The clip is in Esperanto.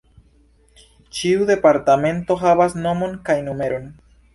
Ĉiu departemento havas nomon kaj numeron.